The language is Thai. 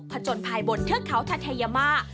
จนภายบนเทือกเขาทัศเทยามา